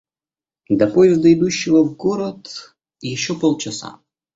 До поезда, идущего в город, еще полчаса.